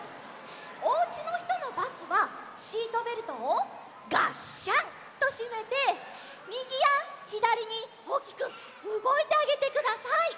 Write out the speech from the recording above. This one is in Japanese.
おうちのひとのバスはシートベルトをがっしゃんとしめてみぎやひだりにおおきくうごいてあげてください。